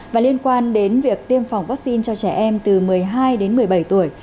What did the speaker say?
và liên quan đến việc tiêm phòng vaccine cho trẻ em từ một mươi hai đến một mươi bảy tuổi